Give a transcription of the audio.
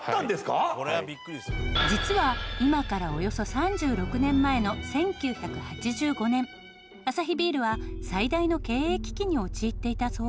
実は今からおよそ３６年前の１９８５年アサヒビールは最大の経営危機に陥っていたそう。